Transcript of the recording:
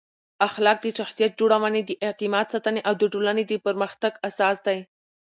اخلاق د شخصیت جوړونې، د اعتماد ساتنې او د ټولنې د پرمختګ اساس دی.